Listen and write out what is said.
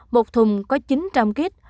một thùng có chín trăm linh kit